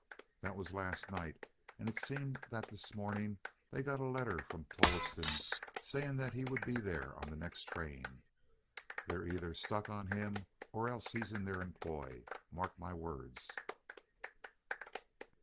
That was last night, and it seems that this morning they got a letter from Tolleston, saying he would be there on the next train. They're either struck on him, or else he's in their employ. Mark my words."